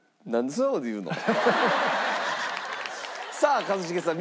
さあ一茂さん